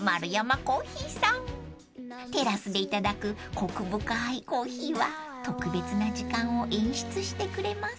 ［テラスでいただくコク深いコーヒーは特別な時間を演出してくれます］